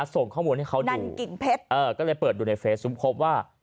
ส่งข้อมูลให้เขาดูก็เลยเปิดดูในเฟซบุ๊คพบว่า